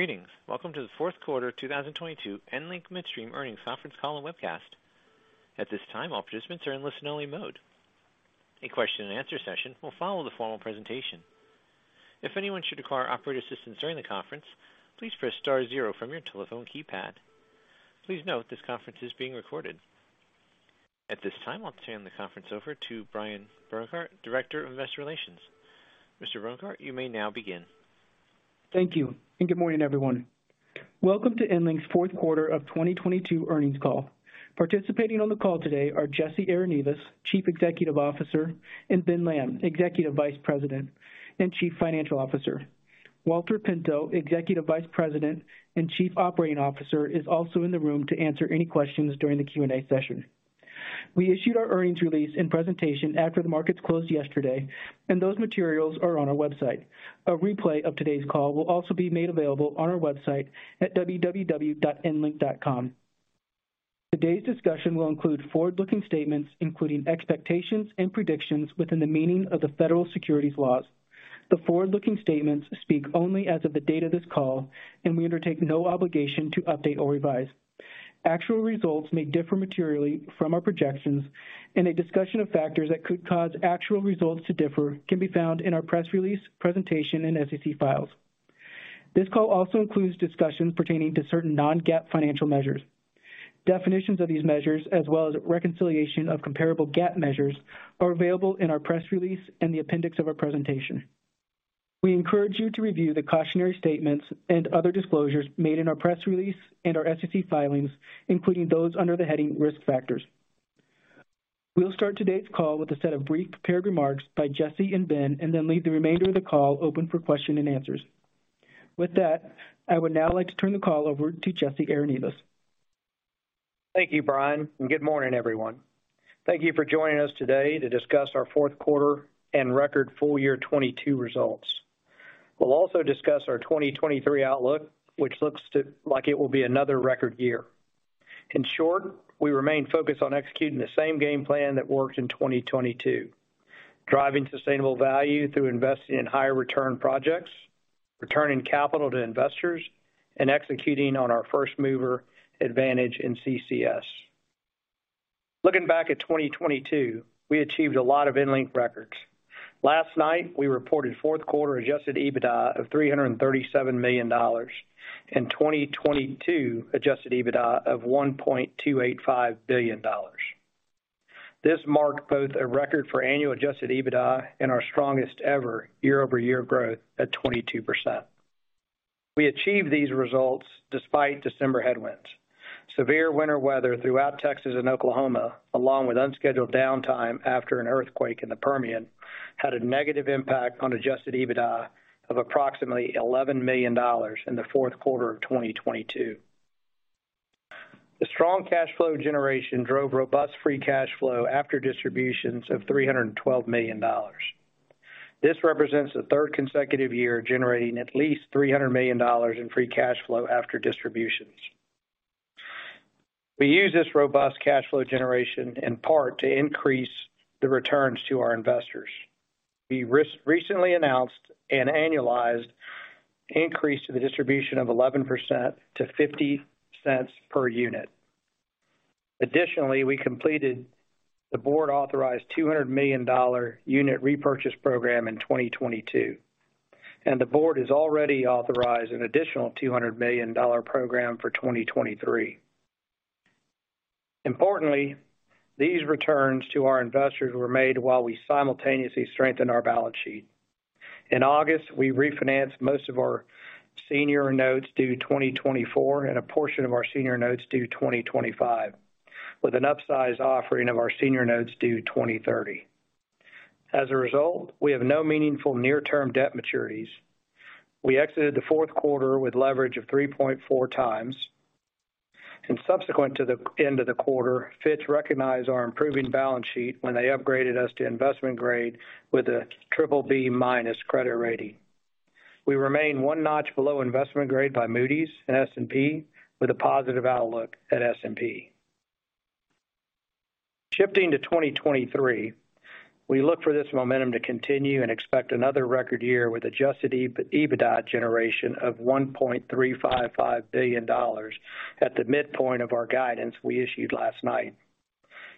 Greetings. Welcome to the fourth quarter 2022 EnLink Midstream Earnings Conference Call and Webcast. At this time, all participants are in listen-only mode. A question-and-answer session will follow the formal presentation. If anyone should require operator assistance during the conference, please press star 0 from your telephone keypad. Please note this conference is being recorded. At this time, I'll turn the conference over to Brian Brungardt, Director of Investor Relations. Mr. Brungardt, you may now begin. Thank you, good morning, everyone. Welcome to EnLink's fourth quarter of 2022 earnings call. Participating on the call today are Jesse Arenivas, Chief Executive Officer, and Ben Lamb, Executive Vice President and Chief Financial Officer. Walter Pinto, Executive Vice President and Chief Operating Officer, is also in the room to answer any questions during the Q&A session. We issued our earnings release and presentation after the markets closed yesterday. Those materials are on our website. A replay of today's call will also be made available on our website at www.enlink.com. Today's discussion will include forward-looking statements, including expectations and predictions within the meaning of the federal securities laws. The forward-looking statements speak only as of the date of this call. We undertake no obligation to update or revise. Actual results may differ materially from our projections, and a discussion of factors that could cause actual results to differ can be found in our press release, presentation, and SEC files. This call also includes discussions pertaining to certain non-GAAP financial measures. Definitions of these measures, as well as reconciliation of comparable GAAP measures, are available in our press release and the appendix of our presentation. We encourage you to review the cautionary statements and other disclosures made in our press release and our SEC filings, including those under the heading Risk Factors. We'll start today's call with a set of brief prepared remarks by Jesse and Ben and then leave the remainder of the call open for question and answers. With that, I would now like to turn the call over to Jesse Arenivas. Thank you, Brian. Good morning, everyone. Thank you for joining us today to discuss our fourth quarter and record full year 2022 results. We'll also discuss our 2023 outlook, which looks like it will be another record year. In short, we remain focused on executing the same game plan that worked in 2022, driving sustainable value through investing in higher return projects, returning capital to investors, and executing on our first mover advantage in CCS. Looking back at 2022, we achieved a lot of EnLink records. Last night, we reported fourth quarter adjusted EBITDA of $337 million and 2022 adjusted EBITDA of $1.285 billion. This marked both a record for annual adjusted EBITDA and our strongest ever year-over-year growth at 22%. We achieved these results despite December headwinds. Severe winter weather throughout Texas and Oklahoma, along with unscheduled downtime after an earthquake in the Permian, had a negative impact on adjusted EBITDA of approximately $11 million in the fourth quarter of 2022. The strong cash flow generation drove robust free cash flow after distributions of $312 million. This represents the third consecutive year generating at least $300 million in free cash flow after distributions. We use this robust cash flow generation in part to increase the returns to our investors. We recently announced an annualized increase to the distribution of 11% to $0.50 per unit. Additionally, we completed the board authorized $200 million unit repurchase program in 2022, and the board has already authorized an additional $200 million program for 2023. Importantly, these returns to our investors were made while we simultaneously strengthened our balance sheet. In August, we refinanced most of our senior notes due 2024 and a portion of our senior notes due 2025, with an upsize offering of our senior notes due 2030. As a result, we have no meaningful near-term debt maturities. We exited the fourth quarter with leverage of 3.4x. Subsequent to the end of the quarter, Fitch recognized our improving balance sheet when they upgraded us to investment grade with a BBB- credit rating. We remain one notch below investment grade by Moody's and S&P with a positive outlook at S&P. Shifting to 2023, we look for this momentum to continue and expect another record year with adjusted EBITDA generation of $1.355 billion at the midpoint of our guidance we issued last night.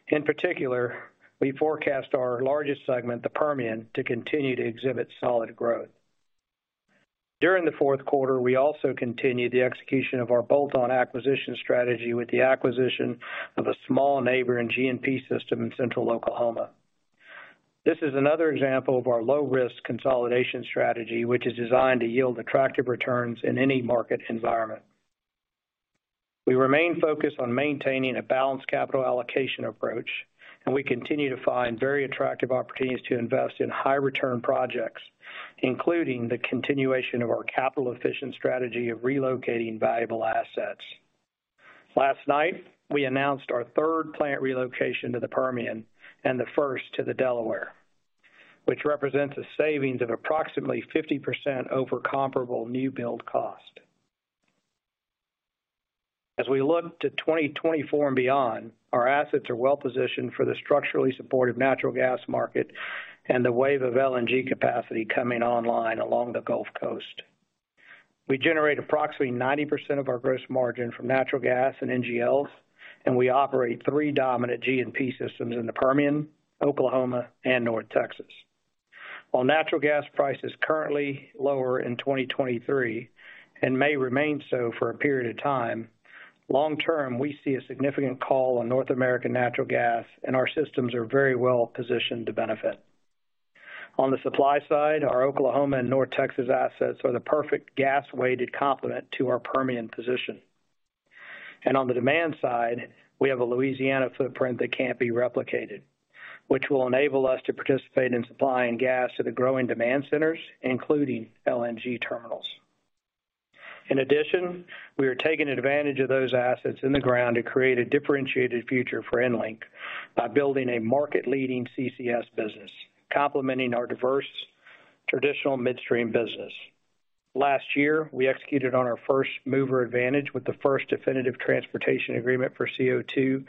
In particular, we forecast our largest segment, the Permian, to continue to exhibit solid growth. During the fourth quarter, we also continued the execution of our bolt-on acquisition strategy with the acquisition of a small neighbor and G&P system in central Oklahoma. This is another example of our low risk consolidation strategy, which is designed to yield attractive returns in any market environment. We remain focused on maintaining a balanced capital allocation approach, and we continue to find very attractive opportunities to invest in high return projects, including the continuation of our capital efficient strategy of relocating valuable assets. Last night, we announced our third plant relocation to the Permian and the first to the Delaware, which represents a savings of approximately 50% over comparable new build cost. As we look to 2024 and beyond, our assets are well-positioned for the structurally supportive natural gas market and the wave of LNG capacity coming online along the Gulf Coast. We generate approximately 90% of our gross margin from natural gas and NGLs, and we operate three dominant G&P systems in the Permian, Oklahoma, and North Texas. While natural gas price is currently lower in 2023, and may remain so for a period of time, long term, we see a significant call on North American natural gas and our systems are very well positioned to benefit. On the supply side, our Oklahoma and North Texas assets are the perfect gas-weighted complement to our Permian position. On the demand side, we have a Louisiana footprint that can't be replicated, which will enable us to participate in supplying gas to the growing demand centers, including LNG terminals. In addition, we are taking advantage of those assets in the ground to create a differentiated future for EnLink by building a market-leading CCS business, complementing our diverse traditional midstream business. Last year, we executed on our first mover advantage with the first definitive transportation agreement for CO2,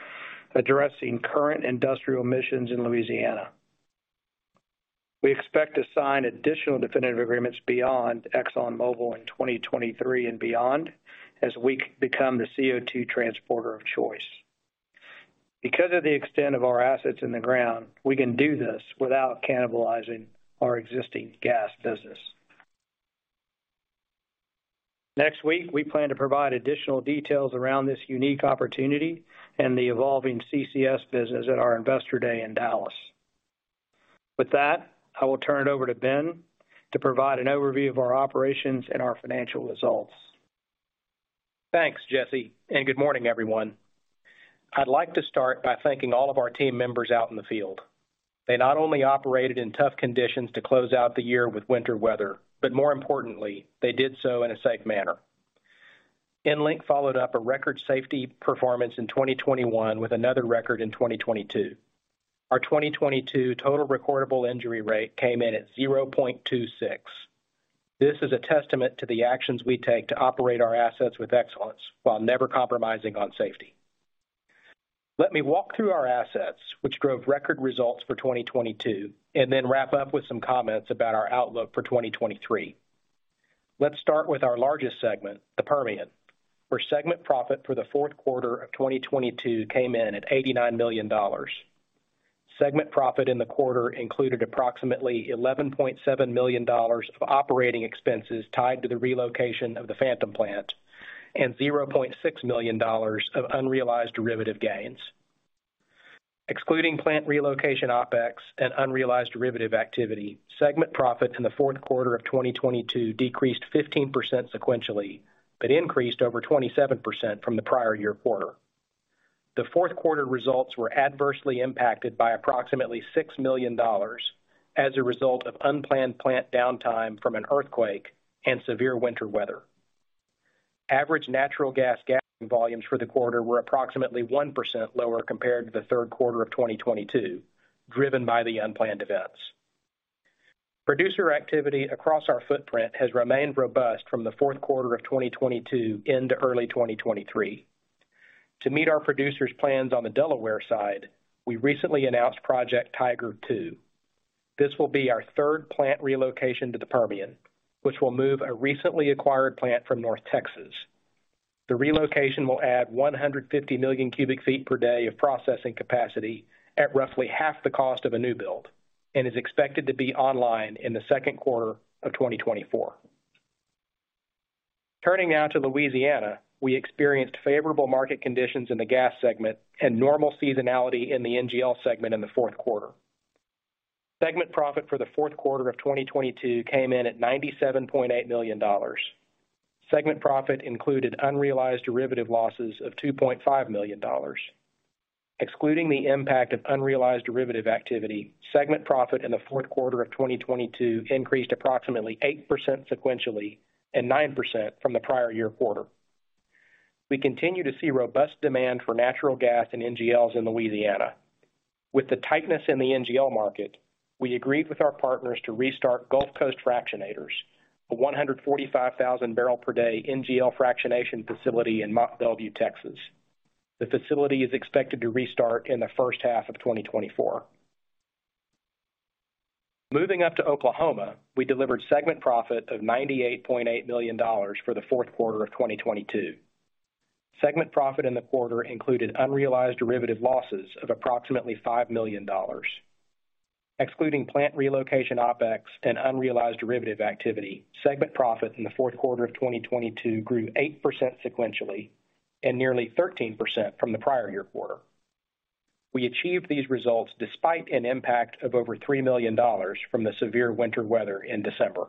addressing current industrial emissions in Louisiana. We expect to sign additional definitive agreements beyond ExxonMobil in 2023 and beyond, as we become the CO2 transporter of choice. Of the extent of our assets in the ground, we can do this without cannibalizing our existing gas business. Next week, we plan to provide additional details around this unique opportunity and the evolving CCS business at our Investor Day in Dallas. With that, I will turn it over to Ben to provide an overview of our operations and our financial results. Thanks, Jesse, and good morning, everyone. I'd like to start by thanking all of our team members out in the field. They not only operated in tough conditions to close out the year with winter weather, but more importantly, they did so in a safe manner. EnLink followed up a record safety performance in 2021 with another record in 2022. Our 2022 total recordable incident rate came in at 0.26. This is a testament to the actions we take to operate our assets with excellence while never compromising on safety. Let me walk through our assets, which drove record results for 2022, and then wrap up with some comments about our outlook for 2023. Let's start with our largest segment, the Permian, where segment profit for the fourth quarter of 2022 came in at $89 million. Segment profit in the quarter included approximately $11.7 million of operating expenses tied to the relocation of the Phantom plant and $0.6 million of unrealized derivative gains. Excluding plant relocation OpEx and unrealized derivative activity, segment profits in the fourth quarter of 2022 decreased 15% sequentially, but increased over 27% from the prior year quarter. The fourth quarter results were adversely impacted by approximately $6 million as a result of unplanned plant downtime from an earthquake and severe winter weather. Average natural gas gathering volumes for the quarter were approximately 1% lower compared to the third quarter of 2022, driven by the unplanned events. Producer activity across our footprint has remained robust from the fourth quarter of 2022 into early 2023. To meet our producers plans on the Delaware side, we recently announced Project Tiger II. This will be our third plant relocation to the Permian, which will move a recently acquired plant from North Texas. The relocation will add 150 million cubic feet per day of processing capacity at roughly half the cost of a new build and is expected to be online in the second quarter of 2024. Turning now to Louisiana, we experienced favorable market conditions in the gas segment and normal seasonality in the NGL segment in the fourth quarter. Segment profit for the fourth quarter of 2022 came in at $97.8 million. Segment profit included unrealized derivative losses of $2.5 million. Excluding the impact of unrealized derivative activity, segment profit in the fourth quarter of 2022 increased approximately 8% sequentially and 9% from the prior year quarter. We continue to see robust demand for natural gas and NGLs in Louisiana. With the tightness in the NGL market, we agreed with our partners to restart Gulf Coast Fractionators, a 145,000 barrel per day NGL fractionation facility in Mont Belvieu, Texas. The facility is expected to restart in the first half of 2024. Moving up to Oklahoma, we delivered segment profit of $98.8 million for the fourth quarter of 2022. Segment profit in the quarter included unrealized derivative losses of approximately $5 million. Excluding plant relocation OpEx and unrealized derivative activity, segment profit in the fourth quarter of 2022 grew 8% sequentially and nearly 13% from the prior year quarter. We achieved these results despite an impact of over $3 million from the severe winter weather in December.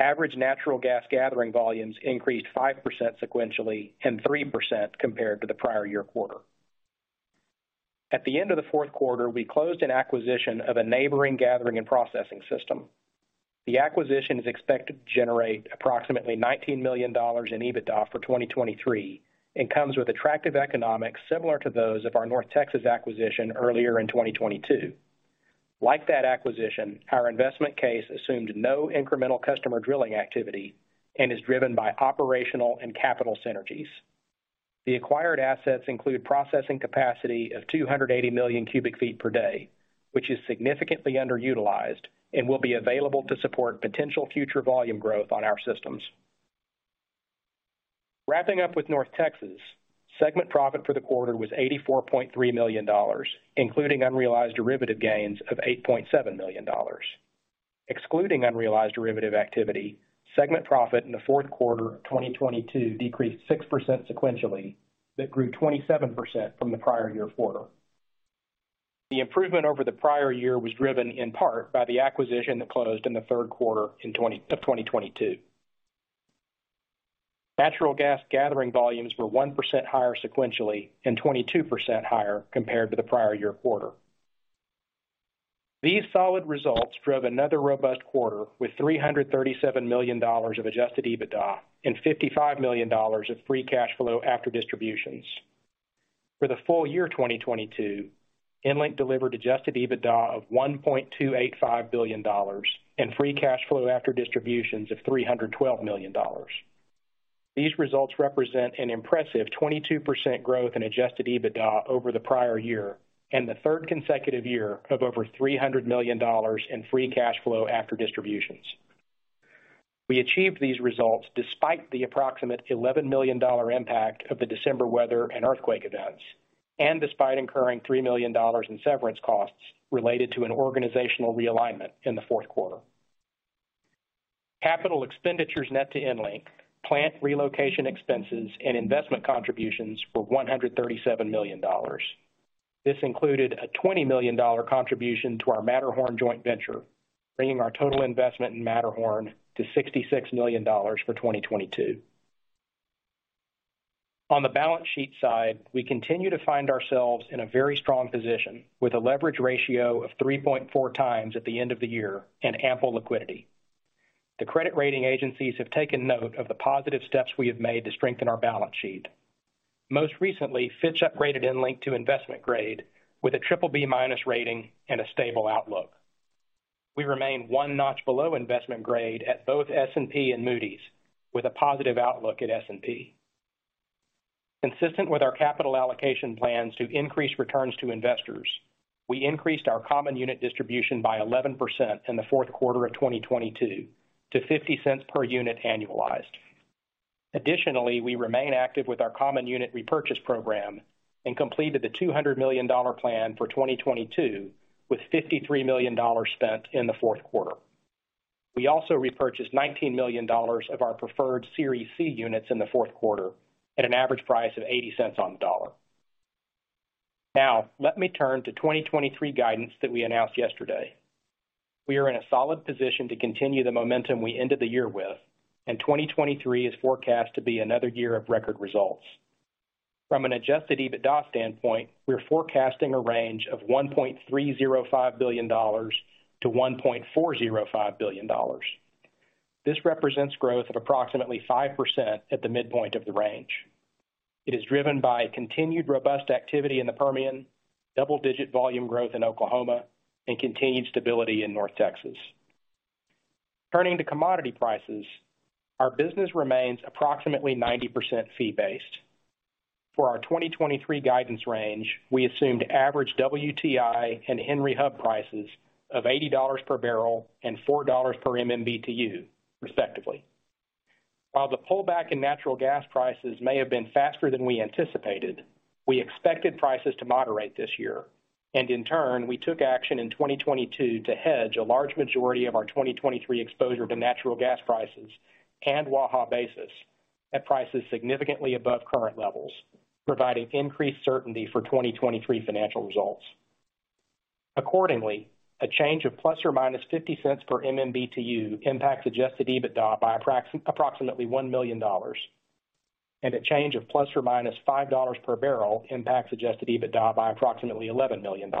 Average natural gas gathering volumes increased 5% sequentially and 3% compared to the prior year quarter. At the end of the fourth quarter, we closed an acquisition of a neighboring gathering and processing system. The acquisition is expected to generate approximately $19 million in EBITDA for 2023 and comes with attractive economics similar to those of our North Texas acquisition earlier in 2022. Like that acquisition, our investment case assumed no incremental customer drilling activity and is driven by operational and capital synergies. The acquired assets include processing capacity of 280 million cubic feet per day, which is significantly underutilized and will be available to support potential future volume growth on our systems. Wrapping up with North Texas, segment profit for the quarter was $84.3 million, including unrealized derivative gains of $8.7 million. Excluding unrealized derivative activity, segment profit in the fourth quarter of 2022 decreased 6% sequentially but grew 27% from the prior year quarter. The improvement over the prior year was driven in part by the acquisition that closed in the third quarter of 2022. Natural gas gathering volumes were 1% higher sequentially and 22% higher compared to the prior year quarter. These solid results drove another robust quarter with $337 million of adjusted EBITDA and $55 million of free cash flow after distributions. For the full year 2022, EnLink delivered adjusted EBITDA of $1.285 billion and free cash flow after distributions of $312 million. These results represent an impressive 22% growth in adjusted EBITDA over the prior year and the third consecutive year of over $300 million in free cash flow after distributions. We achieved these results despite the approximate $11 million impact of the December weather and earthquake events, and despite incurring $3 million in severance costs related to an organizational realignment in the fourth quarter. Capital expenditures net to EnLink, plant relocation expenses and investment contributions were $137 million. This included a $20 million contribution to our Matterhorn joint venture, bringing our total investment in Matterhorn to $66 million for 2022. On the balance sheet side, we continue to find ourselves in a very strong position with a leverage ratio of 3.4x at the end of the year and ample liquidity. The credit rating agencies have taken note of the positive steps we have made to strengthen our balance sheet. Most recently, Fitch upgraded EnLink to investment grade with a BBB- rating and a stable outlook. We remain one notch below investment grade at both S&P and Moody's, with a positive outlook at S&P. Consistent with our capital allocation plans to increase returns to investors, we increased our common unit distribution by 11% in the fourth quarter of 2022 to $0.50 per unit annualized. Additionally, we remain active with our common unit repurchase program and completed the $200 million plan for 2022 with $53 million spent in the fourth quarter. We also repurchased $19 million of our preferred Series C units in the fourth quarter at an average price of $0.80 on the dollar. Let me turn to 2023 guidance that we announced yesterday. We are in a solid position to continue the momentum we ended the year with, and 2023 is forecast to be another year of record results. From an adjusted EBITDA standpoint, we are forecasting a range of $1.305 billion-$1.405 billion. This represents growth of approximately 5% at the midpoint of the range. It is driven by continued robust activity in the Permian, double-digit volume growth in Oklahoma, and continued stability in North Texas. Turning to commodity prices, our business remains approximately 90% fee-based. For our 2023 guidance range, we assumed average WTI and Henry Hub prices of $80 per barrel and $4 per MMBtu respectively. While the pullback in natural gas prices may have been faster than we anticipated, we expected prices to moderate this year, and in turn, we took action in 2022 to hedge a large majority of our 2023 exposure to natural gas prices and Waha basis at prices significantly above current levels, providing increased certainty for 2023 financial results. Accordingly, a change of ±$0.50 per MMBtu impacts adjusted EBITDA by approximately $1 million, and a change of ±$5 per barrel impacts adjusted EBITDA by approximately $11 million,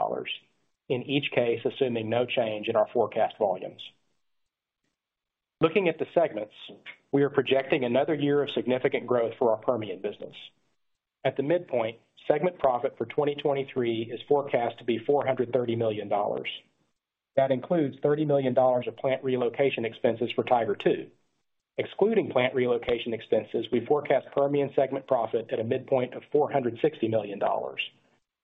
in each case, assuming no change in our forecast volumes. Looking at the segments, we are projecting another year of significant growth for our Permian business. At the midpoint, segment profit for 2023 is forecast to be $430 million. That includes $30 million of plant relocation expenses for Tiger II. Excluding plant relocation expenses, we forecast Permian segment profit at a midpoint of $460 million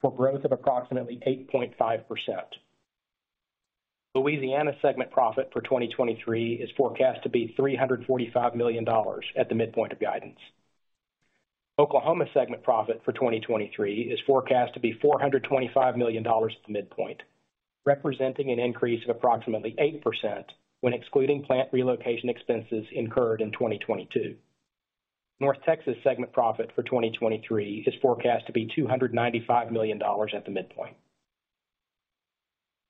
for growth of approximately 8.5%. Louisiana segment profit for 2023 is forecast to be $345 million at the midpoint of guidance. Oklahoma segment profit for 2023 is forecast to be $425 million at the midpoint, representing an increase of approximately 8% when excluding plant relocation expenses incurred in 2022. North Texas segment profit for 2023 is forecast to be $295 million at the midpoint.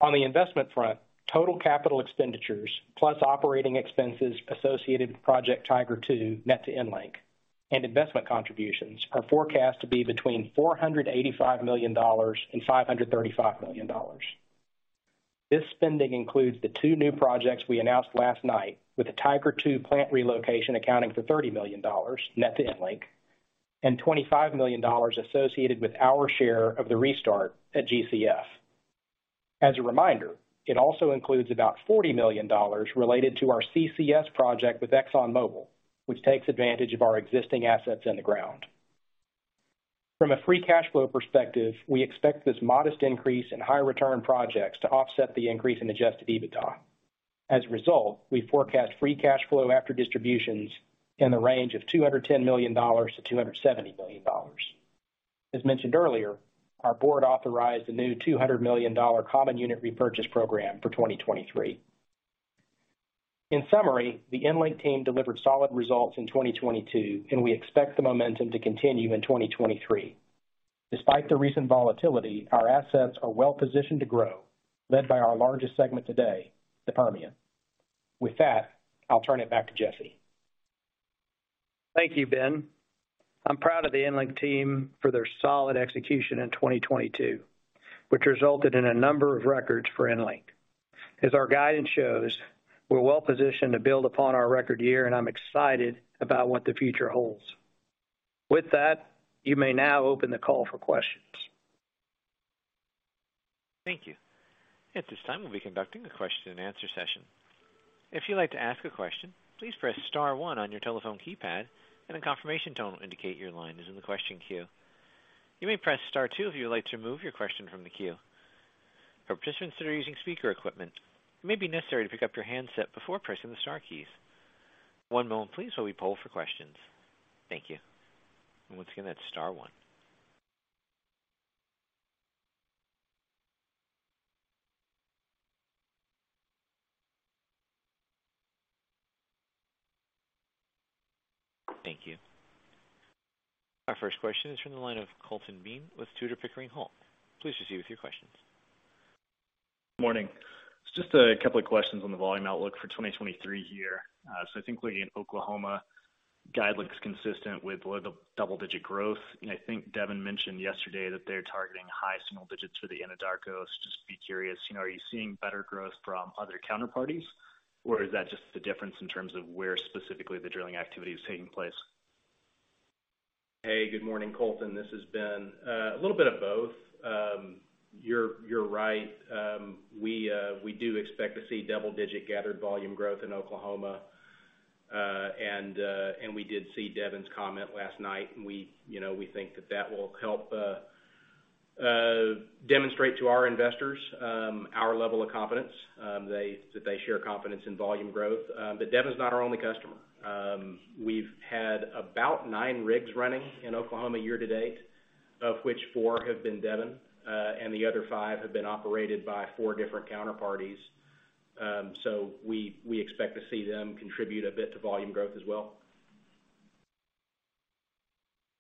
On the investment front, total capital expenditure plus operating expenses associated with Project Tiger II net to EnLink and investment contributions are forecast to be between $485 million and $535 million. This spending includes the two new projects we announced last night with the Tiger II plant relocation accounting for $30 million net to EnLink. Twenty-five million dollars associated with our share of the restart at GCF. As a reminder, it also includes about $40 million related to our CCS project with ExxonMobil, which takes advantage of our existing assets in the ground. From a free cash flow perspective, we expect this modest increase in high return projects to offset the increase in adjusted EBITDA. As a result, we forecast free cash flow after distributions in the range of $210 million-$270 million. As mentioned earlier, our board authorized a new $200 million common unit repurchase program for 2023. In summary, the EnLink team delivered solid results in 2022, and we expect the momentum to continue in 2023. Despite the recent volatility, our assets are well positioned to grow, led by our largest segment today, the Permian. With that, I'll turn it back to Jesse. Thank you, Ben. I'm proud of the EnLink team for their solid execution in 2022, which resulted in a number of records for EnLink. As our guidance shows, we're well positioned to build upon our record year. I'm excited about what the future holds. With that, you may now open the call for questions. Thank you. At this time, we'll be conducting a question and answer session. If you'd like to ask a question, please press star one on your telephone keypad, and a confirmation tone will indicate your line is in the question queue. You may press star two if you would like to remove your question from the queue. For participants that are using speaker equipment, it may be necessary to pick up your handset before pressing the star keys. One moment please, while we poll for questions. Thank you. Once again, that's star one. Thank you. Our first question is from the line of Colton Bean with Tudor, Pickering, Holt. Please proceed with your questions. Morning. Just a couple of questions on the volume outlook for 2023 here. I think looking at Oklahoma, guide looks consistent with double-digit growth. I think Devon mentioned yesterday that they're targeting high single digits for the Anadarko. Just be curious, you know, are you seeing better growth from other counterparties, or is that just the difference in terms of where specifically the drilling activity is taking place? Hey, good morning, Colton. This is Ben. A little bit of both. You're, you're right. We do expect to see double-digit gathered volume growth in Oklahoma. We did see Devon's comment last night, and we, you know, we think that that will help demonstrate to our investors, our level of confidence, that they share confidence in volume growth. Devon's not our only customer. We've had about 9 rigs running in Oklahoma year to date, of which 4 have been Devon, and the other 5 have been operated by four different counterparties. We expect to see them contribute a bit to volume growth as well.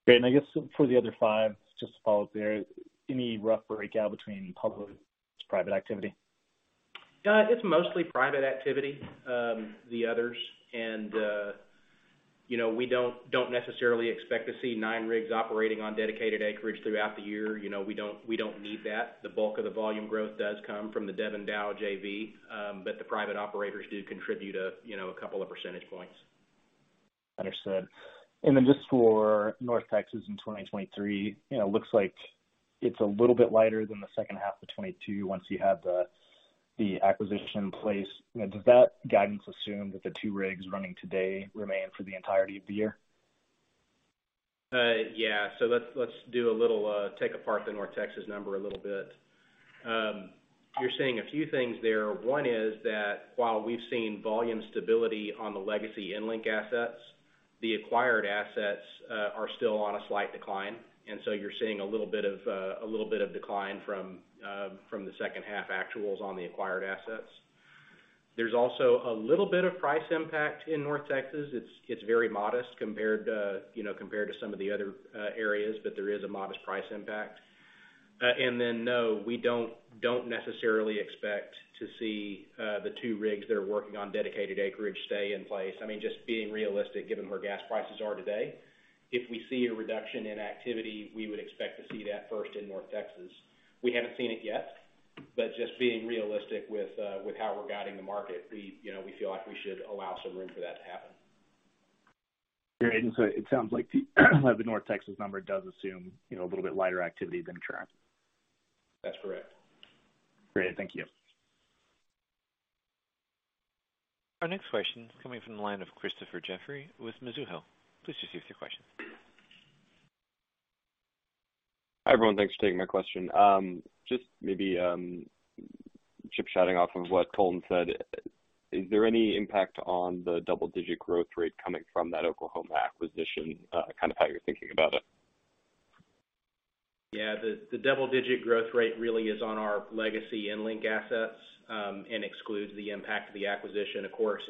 Great. I guess for the other five, just to follow up there, any rough breakout between public and private activity? It's mostly private activity, the others. You know, we don't necessarily expect to see 9 rigs operating on dedicated acreage throughout the year. You know, we don't need that. The bulk of the volume growth does come from the Devon-Dow JV. The private operators do contribute a, you know, a couple of percentage points. Understood. Then just for North Texas in 2023, you know, looks like it's a little bit lighter than the second half of 2022 once you have the acquisition in place. Does that guidance assume that the two rigs running today remain for the entirety of the year? Yeah. Let's do a little take apart the North Texas number a little bit. You're seeing a few things there. One is that while we've seen volume stability on the legacy EnLink assets, the acquired assets, are still on a slight decline. You're seeing a little bit of decline from the second half actuals on the acquired assets. There's also a little bit of price impact in North Texas. It's very modest compared to, you know, compared to some of the other areas, but there is a modest price impact. No, we don't necessarily expect to see the two rigs that are working on dedicated acreage stay in place. I mean, just being realistic, given where gas prices are today, if we see a reduction in activity, we would expect to see that first in North Texas. We haven't seen it yet, just being realistic with how we're guiding the market, we, you know, we feel like we should allow some room for that to happen. Great. It sounds like the North Texas number does assume, you know, a little bit lighter activity than current. That's correct. Great. Thank you. Our next question is coming from the line of Christopher Jeffrey with Mizuho. Please proceed with your question. Hi, everyone. Thanks for taking my question. Just maybe chip chatting off of what Colton said, is there any impact on the double-digit growth rate coming from that Oklahoma acquisition, kind of how you're thinking about it? Yeah. The double-digit growth rate really is on our legacy EnLink assets, and excludes the impact of the acquisition. Of course,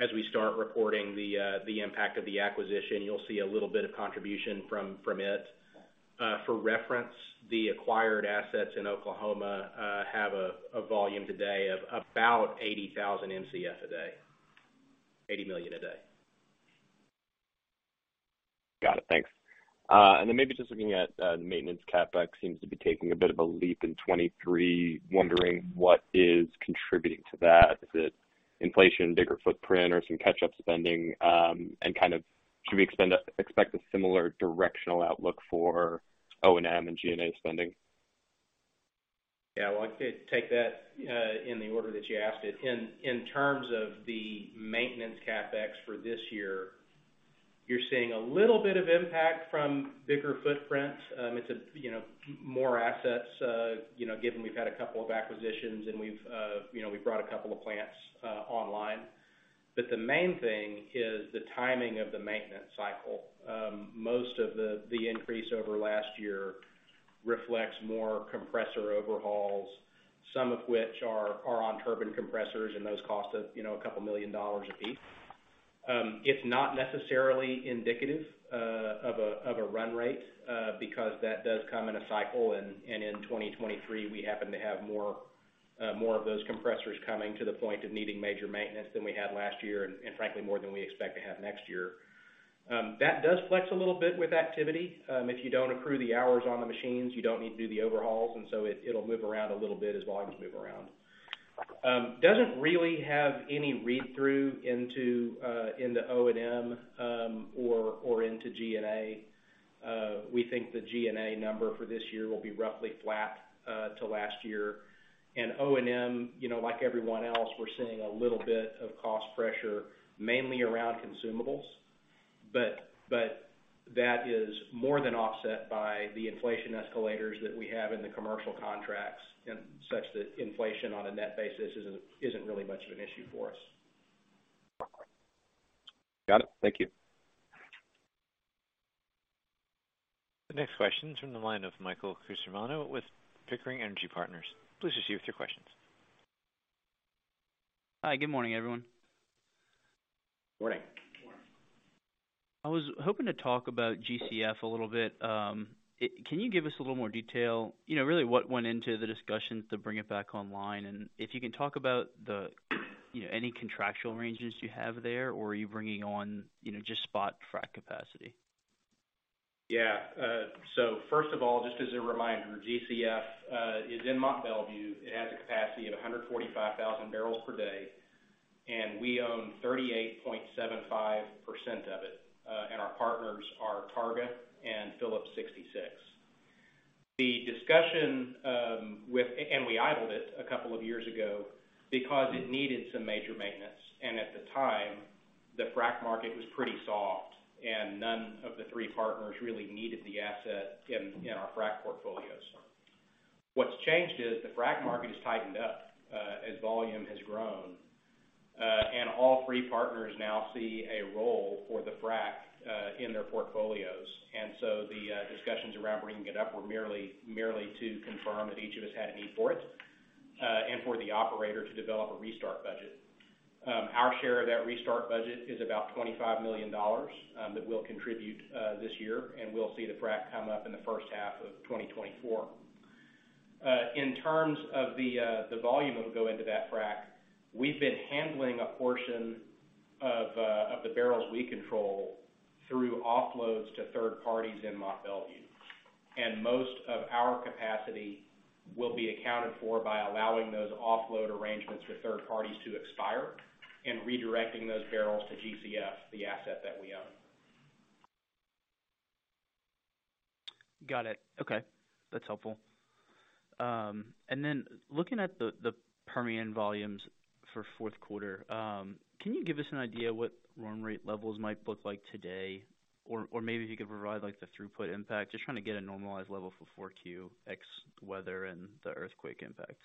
as we start reporting the impact of the acquisition, you'll see a little bit of contribution from it. For reference, the acquired assets in Oklahoma have a volume today of about 80,000 Mcf a day. 80 million a day. Got it. Thanks. Maybe just looking at the maintenance CapEx seems to be taking a bit of a leap in 2023. Wondering what is contributing to that? Is it inflation, bigger footprint or some catch-up spending? Kind of should we expect a similar directional outlook for O&M and G&A spending? Well, I'll take that in the order that you asked it. In terms of the maintenance CapEx for this year, you're seeing a little bit of impact from bigger footprints. It's a, you know, more assets, you know, given we've had a couple of acquisitions and we've, you know, we've brought a couple of plants online. The main thing is the timing of the maintenance cycle. Most of the increase over last year reflects more compressor overhauls, some of which are on turbine compressors, and those cost us, you know, a couple million dollars a piece. It's not necessarily indicative of a run rate, because that does come in a cycle. In 2023, we happen to have more, more of those compressors coming to the point of needing major maintenance than we had last year, and frankly, more than we expect to have next year. That does flex a little bit with activity. If you don't accrue the hours on the machines, you don't need to do the overhauls, and so it'll move around a little bit as volumes move around. Doesn't really have any read-through into O&M, or into G&A. We think the G&A number for this year will be roughly flat to last year. O&M, you know, like everyone else, we're seeing a little bit of cost pressure, mainly around consumables. That is more than offset by the inflation escalators that we have in the commercial contracts and such that inflation on a net basis isn't really much of an issue for us. Got it. Thank you. The next question is from the line of Michael Cusimano with Pickering Energy Partners. Please proceed with your questions. Hi, good morning, everyone. Morning. Morning. I was hoping to talk about GCF a little bit. Can you give us a little more detail, you know, really what went into the discussions to bring it back online? If you can talk about the, you know, any contractual arrangements you have there, or are you bringing on, you know, just spot frack capacity? First of all, just as a reminder, GCF is in Mont Belvieu. It has a capacity of 145,000 barrels per day, and we own 38.75% of it. Our partners are Targa and Phillips 66. The discussion with... and we idled it a couple of years ago because it needed some major maintenance. At the time, the frack market was pretty soft, and none of the three partners really needed the asset in our frack portfolios. What's changed is the frack market has tightened up as volume has grown. All three partners now see a role for the frack in their portfolios. The discussions around bringing it up were merely to confirm that each of us had a need for it and for the operator to develop a restart budget. Our share of that restart budget is about $25 million that we'll contribute this year, and we'll see the frack come up in the first half of 2024. In terms of the volume that will go into that frack, we've been handling a portion of the barrels we control through offloads to third parties in Mont Belvieu. Most of our capacity will be accounted for by allowing those offload arrangements for third parties to expire and redirecting those barrels to GCF, the asset that we own. Got it. Okay. That's helpful. Looking at the Permian volumes for fourth quarter, can you give us an idea what run rate levels might look like today? Or maybe if you could provide, like, the throughput impact, just trying to get a normalized level for 4Q, ex-weather and the earthquake impact.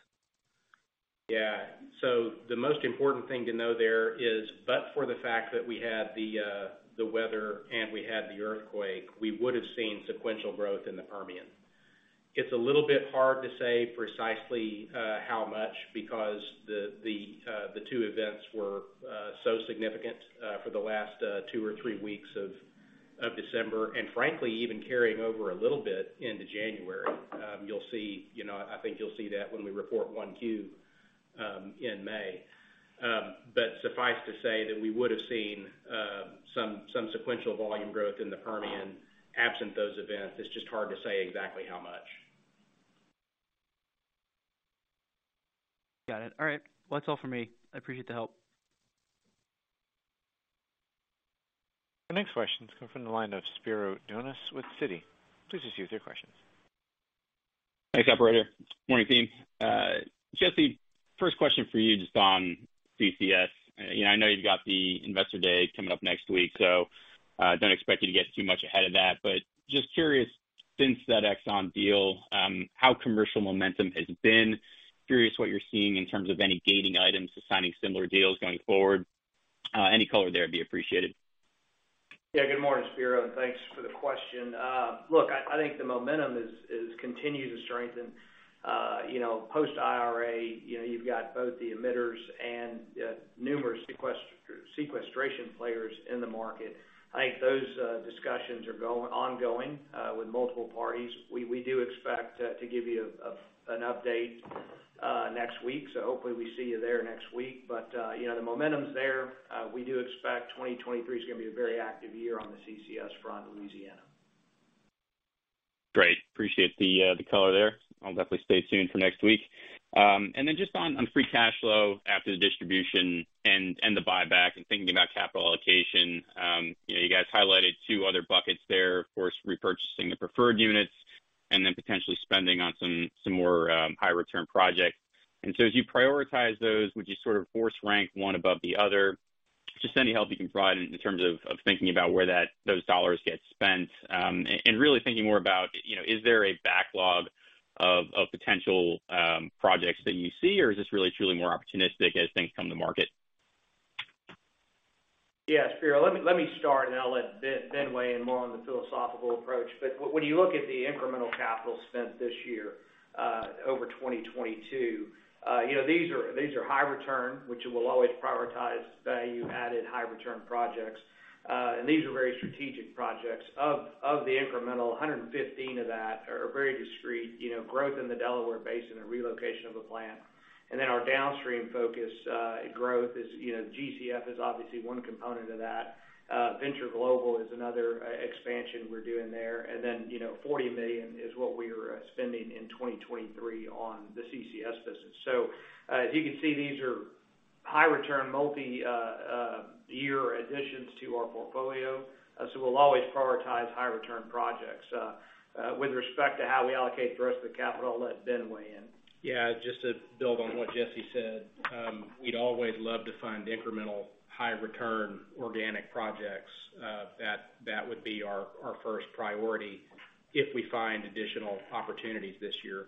The most important thing to know there is, but for the fact that we had the weather and we had the earthquake, we would've seen sequential growth in the Permian. It's a little bit hard to say precisely how much because the two events were so significant for the last two or three weeks of December, and frankly, even carrying over a little bit into January. You know, I think you'll see that when we report 1Q in May. Suffice to say that we would've seen some sequential volume growth in the Permian absent those events. It's just hard to say exactly how much. Got it. All right. Well, that's all for me. I appreciate the help. The next question's coming from the line of Spiro Dounis with Citi. Please proceed with your questions. Thanks, operator. Morning, team. Jesse, first question for you just on CCS. You know, I know you've got the Investor Day coming up next week, so, don't expect you to get too much ahead of that. Just curious, since that ExxonMobil deal, how commercial momentum has been. Curious what you're seeing in terms of any gating items to signing similar deals going forward. Any color there would be appreciated. Yeah. Good morning, Spiro, and thanks for the question. Look, I think the momentum is continuing to strengthen. You know, post IRA, you've got both the emitters and numerous sequestration players in the market. I think those discussions are ongoing, with multiple parties. We do expect to give you an update next week, so hopefully we see you there next week. You know, the momentum's there. We do expect 2023 is gonna be a very active year on the CCS front in Louisiana. Great. Appreciate the color there. I'll definitely stay tuned for next week. Just on free cash flow after the distribution and the buyback and thinking about capital allocation, you know, you guys highlighted two other buckets there. Of course, repurchasing the preferred units and then potentially spending on some more high return projects. As you prioritize those, would you sort of force rank one above the other? Just any help you can provide in terms of thinking about where those dollars get spent. Really thinking more about, you know, is there a backlog of potential projects that you see, or is this really truly more opportunistic as things come to market? Yeah, Spiro, let me start and I'll let Ben Lamb weigh in more on the philosophical approach. When you look at the incremental capital spent this year, over 2022, you know, these are high return, which we'll always prioritize value added high return projects. These are very strategic projects. Of the incremental, 115 of that are very discreet, you know, growth in the Delaware Basin and the relocation of a plant. Then our downstream focus, growth is, you know, GCF is obviously one component of that. Venture Global is another expansion we're doing there. Then, you know, $40 million is what we are spending in 2023 on the CCS business. As you can see, these are high return multi year additions to our portfolio. We'll always prioritize high return projects. With respect to how we allocate the rest of the capital, I'll let Ben weigh in. Yeah, just to build on what Jesse said, we'd always love to find incremental high return organic projects. That would be our first priority if we find additional opportunities this year.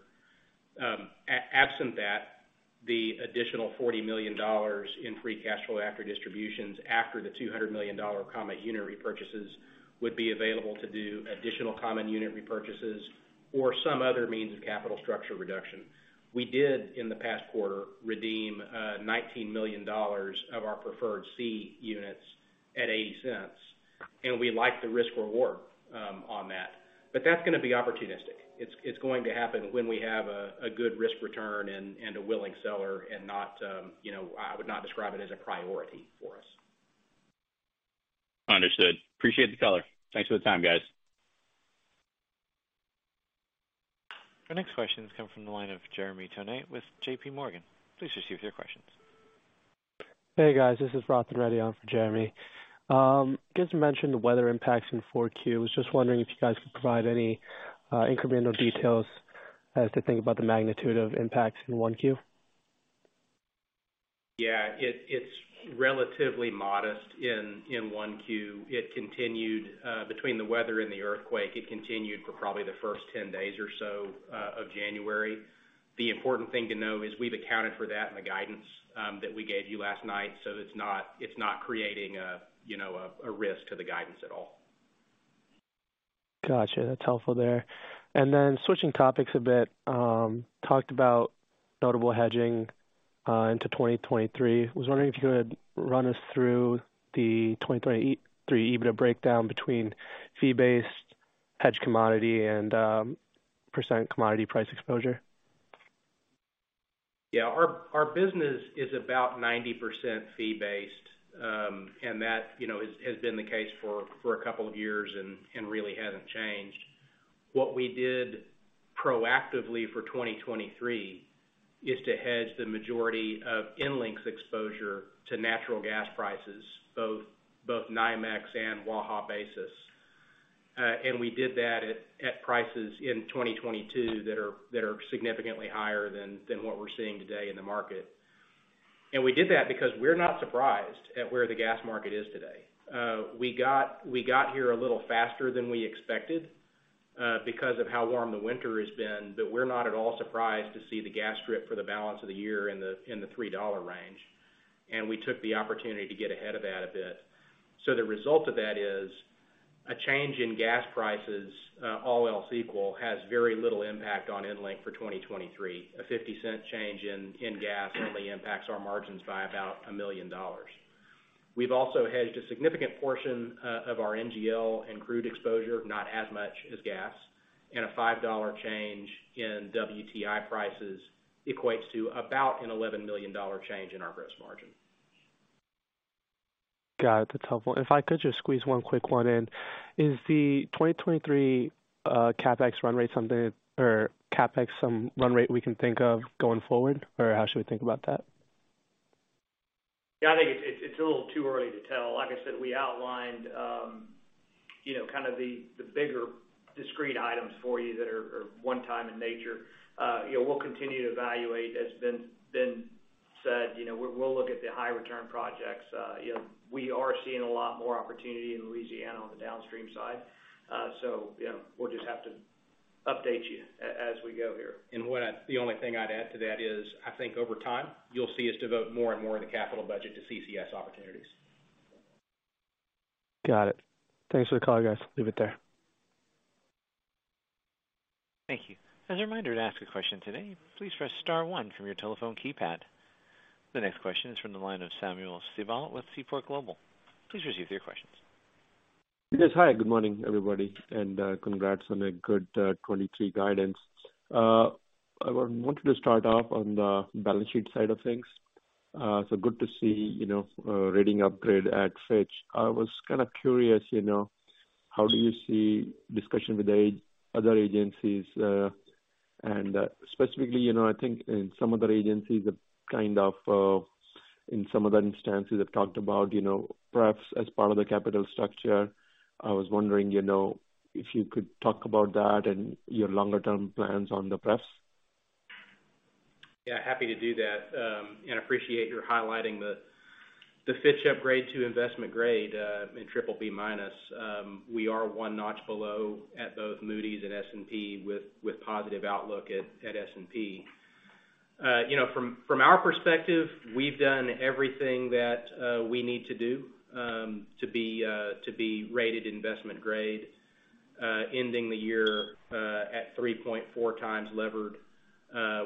Absent that, the additional $40 million in free cash flow after distributions, after the $200 million common unit repurchases would be available to do additional common unit repurchases or some other means of capital structure reduction. We did, in the past quarter, redeem $19 million of our preferred C units at $0.80, and we like the risk reward on that. That's gonna be opportunistic. It's going to happen when we have a good risk return and a willing seller and not, you know... I would not describe it as a priority for us. Understood. Appreciate the color. Thanks for the time, guys. Our next question has come from the line of Jeremy Tonet with JPMorgan. Please proceed with your questions. Hey, guys, this is Rohith Reddy on for Jeremy. Just to mention the weather impacts in 4Q. Was just wondering if you guys could provide any incremental details as to think about the magnitude of impacts in 1Q? Yeah. It's relatively modest in 1 Q. It continued, between the weather and the earthquake, it continued for probably the first 10 days or so of January. The important thing to know is we've accounted for that in the guidance that we gave you last night. It's not creating a, you know, a risk to the guidance at all. Got you. That's helpful there. Switching topics a bit, talked about notable hedging into 2023. Was wondering if you could run us through the 2023 EBITDA breakdown between fee-based hedge commodity and % commodity price exposure? Yeah. Our business is about 90% fee based. That, you know, has been the case for a couple of years and really hasn't changed. What we did proactively for 2023 is to hedge the majority of EnLink's exposure to natural gas prices, both NYMEX and Waha basis. We did that at prices in 2022 that are significantly higher than what we're seeing today in the market. We did that because we're not surprised at where the gas market is today. We got here a little faster than we expected because of how warm the winter has been. We're not at all surprised to see the gas strip for the balance of the year in the $3 range, and we took the opportunity to get ahead of that a bit. The result of that is a change in gas prices, all else equal, has very little impact on EnLink for 2023. A $0.50 change in gas only impacts our margins by about $1 million. We've also hedged a significant portion of our NGL and crude exposure, not as much as gas. A $5 change in WTI prices equates to about an $11 million change in our gross margin. Got it. That's helpful. If I could just squeeze one quick one in. Is the 2023 CapEx run rate something or CapEx some run rate we can think of going forward? How should we think about that? I think it's a little too early to tell. Like I said, we outlined, you know, kind of the bigger discrete items for you that are one time in nature. You know, we'll continue to evaluate. As Ben said, you know, we'll look at the high return projects. You know, we are seeing a lot more opportunity in Louisiana on the downstream side. We'll just have to update you as we go here. The only thing I'd add to that is I think over time, you'll see us devote more and more of the capital budget to CCS opportunities. Got it. Thanks for the call, guys. Leave it there. Thank you. As a reminder, to ask a question today, please press star one from your telephone keypad. The next question is from the line of Sunil Sibal with Seaport Global Securities. Please proceed with your questions. Yes. Hi, good morning, everybody, and congrats on a good 23 guidance. I wanted to start off on the balance sheet side of things. Good to see, you know, rating upgrade at Fitch. I was kind of curious, you know, how do you see discussion with the other agencies? Specifically, you know, I think in some other agencies have kind of, in some of the instances have talked about, you know, perhaps as part of the capital structure. I was wondering, you know, if you could talk about that and your longer term plans on the press. Yeah, happy to do that, appreciate your highlighting the Fitch upgrade to investment grade in BBB-. We are one notch below at both Moody's and S&P with positive outlook at S&P. You know, from our perspective, we've done everything that we need to do to be rated investment grade, ending the year at 3.4x levered,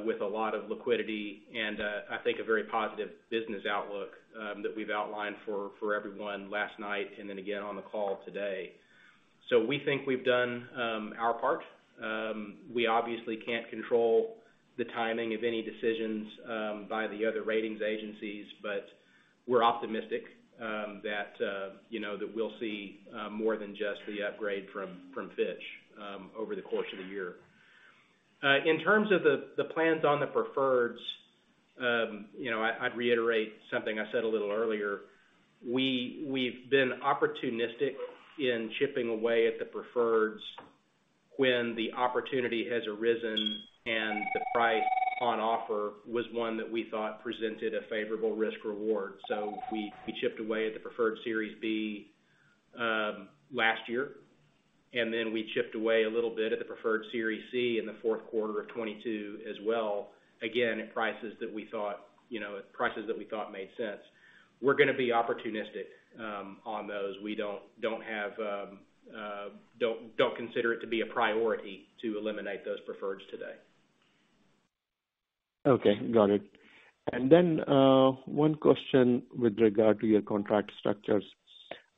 with a lot of liquidity and I think a very positive business outlook that we've outlined for everyone last night and then again on the call today. We think we've done our part. We obviously can't control the timing of any decisions by the other ratings agencies, but we're optimistic that, you know, that we'll see more than just the upgrade from Fitch over the course of the year. In terms of the plans on the preferreds, you know, I'd reiterate something I said a little earlier. We've been opportunistic in chipping away at the preferreds when the opportunity has arisen and the price on offer was one that we thought presented a favorable risk reward. We chipped away at the preferred Series B last year, and then we chipped away a little bit at the preferred Series C in the fourth quarter of 2022 as well, again, at prices that we thought, you know, made sense. We're gonna be opportunistic on those. We don't consider it to be a priority to eliminate those preferreds today. Okay. Got it. Then, one question with regard to your contract structures.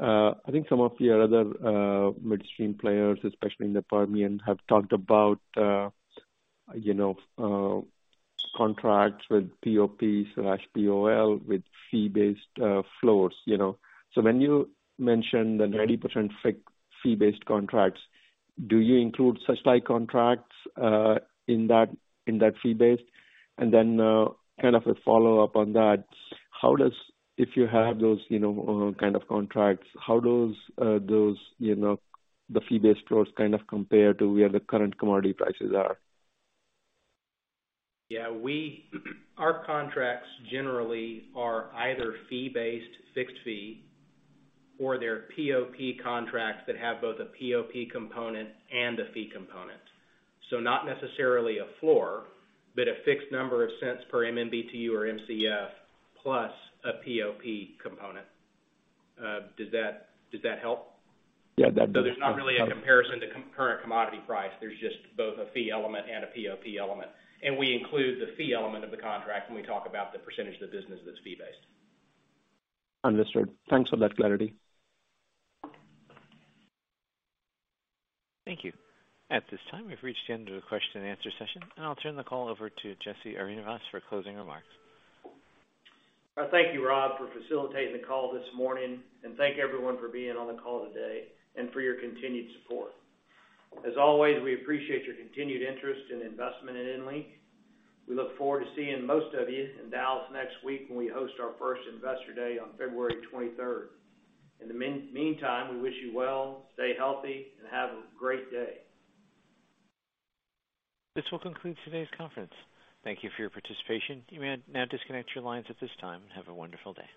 I think some of your other midstream players, especially in the Permian, have talked about, you know, contracts with POPs slash Keep-Whole with fee-based floors, you know. So when you mentioned the 90% fixed fee-based contracts, do you include such like contracts in that fee-based? Then, kind of a follow-up on that. How does If you have those, you know, kind of contracts, how does those, you know, the fee-based floors kind of compare to where the current commodity prices are? Yeah. Our contracts generally are either fee-based fixed fee, or they're POP contracts that have both a POP component and a fee component. Not necessarily a floor, but a fixed number of cents per MMBtu or Mcf plus a POP component. Does that help? Yeah. There's not really a comparison to current commodity price. There's just both a fee element and a POP element. We include the fee element of the contract when we talk about the percentage of the business that's fee based. Understood. Thanks for that clarity. Thank you. At this time, we've reached the end of the question and answer session, and I'll turn the call over to Jesse Arenivas for closing remarks. Thank you, Rob, for facilitating the call this morning. Thank everyone for being on the call today and for your continued support. As always, we appreciate your continued interest and investment in EnLink. We look forward to seeing most of you in Dallas next week when we host our first Investor Day on February 23rd. In the meantime, we wish you well, stay healthy, and have a great day. This will conclude today's conference. Thank you for your participation. You may now disconnect your lines at this time. Have a wonderful day.